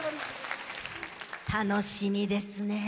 楽しみですね。